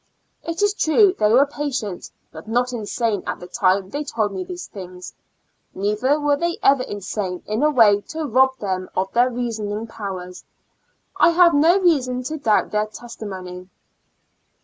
It is true they were patients, but not insane at the time they told me these things, neither were they ever insane in a way to rob them of their reasoning powers j I have no reason to doubt their testimony.